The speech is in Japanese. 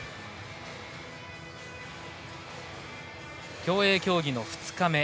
競泳競技の２日目。